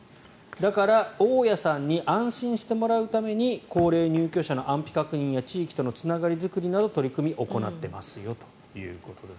だから、大家さんに安心してもらうために高齢入居者の安否確認や地域とのつながり作りなどの取り組みを行っていますよということです。